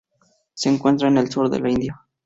Se encuentra en el sur de la India.